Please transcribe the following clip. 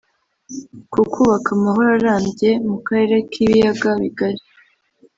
ku kubaka amahoro arambye mu Karere k’Ibiyaga bigari